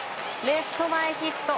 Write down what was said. レフト前ヒット。